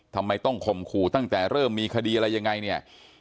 ทำไมต้องข่มขู่ตั้งแต่เริ่มมีคดีอะไรยังไงเนี่ย